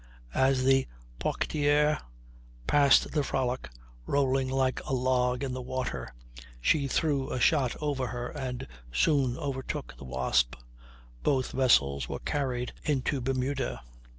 As the Poictiers passed the Frolic, rolling like a log in the water, she threw a shot over her, and soon overtook the Wasp. Both vessels were carried into Bermuda.